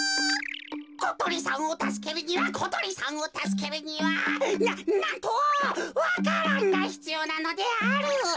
ことりさんをたすけるにはことりさんをたすけるにはななんとわか蘭がひつようなのである。